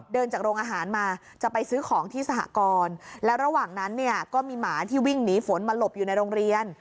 เดินจากโรงอาหารมาจะไปซื้อของที่สหกรแล้วระหว่างนั้นเนี่ยก็มีหมาที่วิ่งหนีฝนมาหลบอยู่ในโรงเรียน